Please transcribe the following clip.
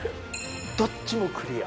どっちもクリア。